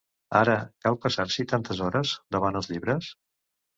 Ara, cal passar-s’hi tantes hores, davant els llibres?